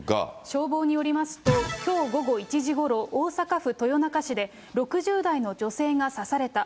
消防によりますと、きょう午後１時ごろ、大阪府豊中市で、６０代の女性が刺された。